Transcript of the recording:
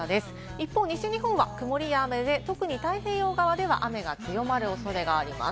一方、西日本は曇りや雨で、特に太平洋側では雨が強まるおそれがあります。